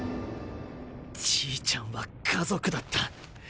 じいちゃんは家族だった。